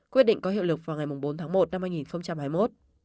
quyết định có hiệu lực vào ngày bốn tháng một năm hai nghìn hai mươi một